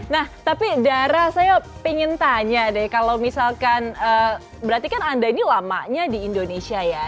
nah tapi dara saya ingin tanya deh kalau misalkan berarti kan anda ini lamanya di indonesia ya